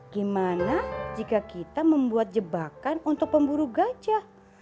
gimana jika kita membuat jebakan untuk pemburu gajah